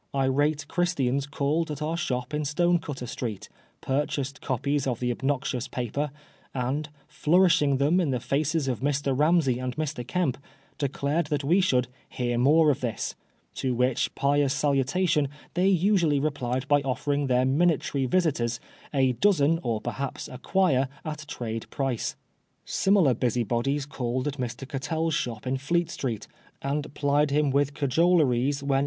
Irate Christians ^sailed at our shop in Stonecutter Street, purchased copies of the obnoxious paper, and, flourishing them in the faces of Mr. Ramsey and Mr. Kemp, diB dared that we should "hear more of this ;" to which pious salutation t&ey usually replied by offering their nainatory visitors " a dozen or perhaps a quire at trade price," Similar busybodies called at Mr. Cattell's shop m Fleet Street, and plied him with cajoleries w^ 54 PRISONER FOR BLASPHEKY.